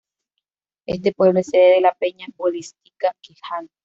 Este pueblo es sede de la Peña Bolística Quijano.